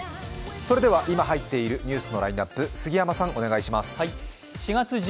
それでは、今入っているニュースのラインナップ、杉山さん、お願いします。